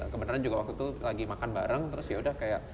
kebenaran juga waktu itu lagi makan bareng terus yaudah kayak